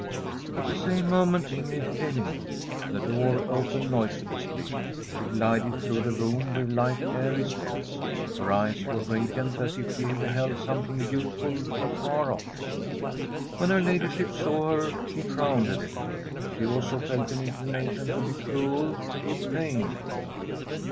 At the same moment Ingrid came in. The door opened noiselessly. She glided through the room with light, airy steps ; her eyes were ra diant, as if she beheld something beautiful afar off. When her ladyship saw her she frowned a little. She also felt an inclination to be cruel, to give pain.